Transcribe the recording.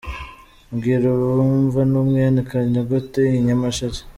Mbwira abumva ni mwene Kanyogote I Nyamasheke.